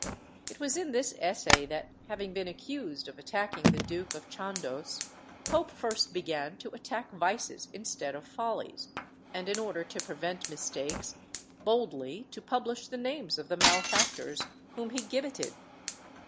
It was in this essay that, having been accused of attacking the Duke of Chandos, Pope first began to attack vices instead of follies, and, in order to prevent mistakes, boldly to publish the names of the malefactors whom he gibbeted.